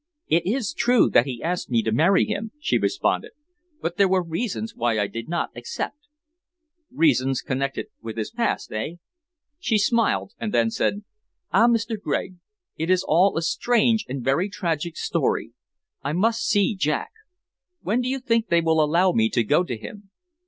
"It is true that he asked me to marry him," she responded. "But there were reasons why I did not accept." "Reasons connected with his past, eh?" She smiled, and then said: "Ah, Mr. Gregg, it is all a strange and very tragic story. I must see Jack. When do you think they will allow me to go to him?"